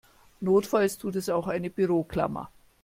Notfalls tut es auch eine Büroklammer.